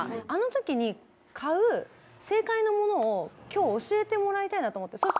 あのときに買う正解のものを今日教えてもらいたいなと思って。